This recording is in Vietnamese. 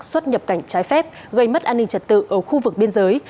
xuất nhập cảnh trái phép gây mất an ninh trật tự ở khu vực biên giới